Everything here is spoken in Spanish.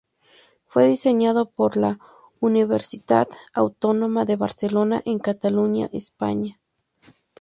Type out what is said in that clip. Fue diseñado por la Universitat Autònoma de Barcelona en Cataluña, España.